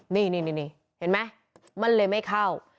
นี่เห็นไหมมันเลยไม่เข้า